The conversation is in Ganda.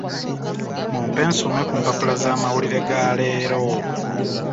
Mumpe nsome ku mpapula z'amawulire ga leero.